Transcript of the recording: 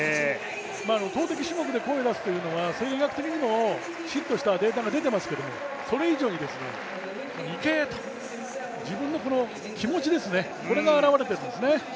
投てき種目で声を出すというのは、生理学的にもきちっとしたデータが出ておりますけれども、それ以上に「いけー」と自分の気持ちですね、これが表れてるんですね。